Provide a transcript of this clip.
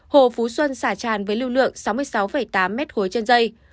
hồ phú xuân xả tràn với lưu lượng sáu mươi sáu tám m ba trên dây